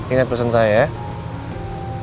ingat pesen saya ya